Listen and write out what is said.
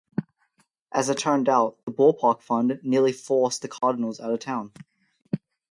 As it turned out, the ballpark fund nearly forced the Cardinals out of town.